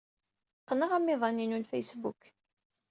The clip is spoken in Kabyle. Qqneɣ amiḍan-inu n Facebook.